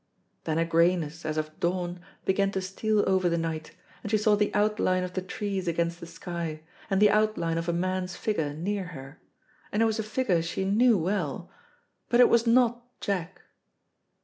Then a greyness, as of dawn, began to steal over the night, and she saw the outline of the trees against the sky, and the outline of a man's figure near her, and it was a figure she knew well, but it was not Jack.